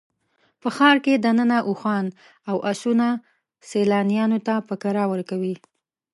په ښار کې دننه اوښان او اسونه سیلانیانو ته په کرایه ورکوي.